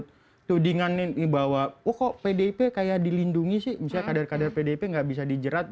tudingan ini bahwa oh kok pdip kayak dilindungi sih misalnya kader kader pdip nggak bisa dijerat